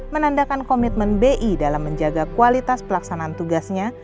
menandakan komitmen bi dalam menjaga kualitas pelaksanaan tugasnya